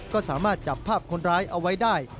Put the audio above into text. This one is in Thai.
ก็สามารถจับภาพคนร้ายเอาไว้ได้